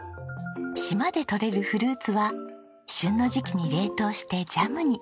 島で取れるフルーツは旬の時期に冷凍してジャムに。